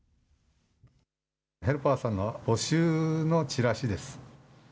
ヘルパーさんの募集のチラシです。